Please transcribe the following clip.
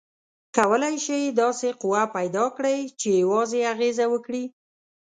کولی شئ داسې قوه پیداکړئ چې یوازې اغیزه وکړي؟